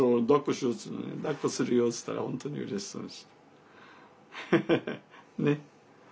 だっこするよって言ったら本当にうれしそうにしてる。ね？